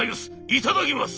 いただきます」。